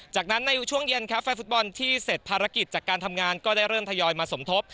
จากนั้นในช่วงเย็นครับแฟนฟุตบอลที่เสร็จภารกิจจากการทำงานก็ได้เริ่มทยอยมาสมทบ